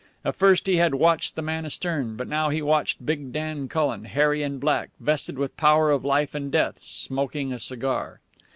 At first he had watched the man astern, but now he watched big Dan Cullen, hairy and black, vested with power of life and death, smoking a cigar.